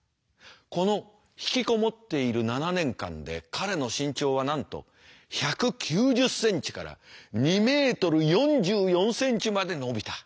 この引きこもっている７年間で彼の身長はなんと１９０ｃｍから２ｍ４４ｃｍまで伸びた。